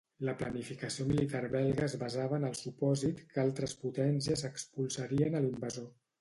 La planificació militar belga es basava en el supòsit que altres potències expulsarien a l'invasor.